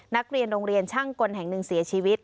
นักเรียนโรงเรียนช่างกลแห่งหนึ่งเสียชีวิต